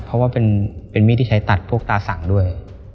เพราะว่าเป็นมีดที่ใช้ตัดพวกตาสั่งด้วย